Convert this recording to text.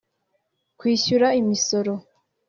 kwishyura imisoro